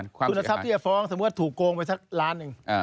ทุนทรัพย์ที่จะฟ้องถ้าถูกโกงไปสักล้านนึง